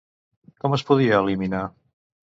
Com es podia eliminar?